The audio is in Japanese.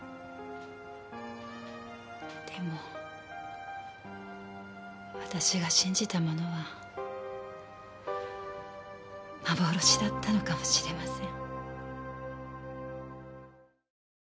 でも私が信じたものは幻だったのかもしれません。